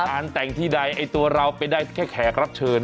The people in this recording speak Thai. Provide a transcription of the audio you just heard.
แต่งที่ใดไอ้ตัวเราเป็นได้แค่แขกรับเชิญ